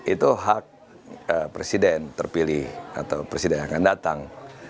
itu hak presiden terpilih atau presiden yang akan datang